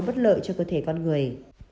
bất lợi cho cơ thể con người